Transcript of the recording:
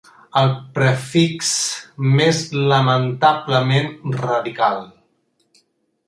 El prefix més lamentablement radical.